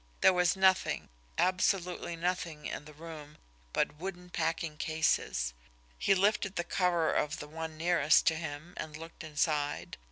There was nothing, absolutely nothing in the room but wooden packing cases. He lifted the cover of the one nearest to him and looked inside.